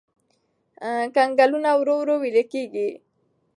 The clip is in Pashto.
کنګلونه ورو ورو ويلي کېږي.